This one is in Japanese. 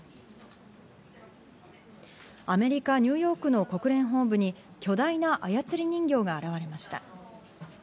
アメリカ・ニューヨークの国連本部に巨大な操り人形が現れました。